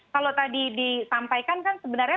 kalau tadi disampaikan kan sebenarnya